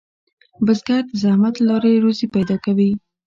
بزګر د زحمت له لارې روزي پیدا کوي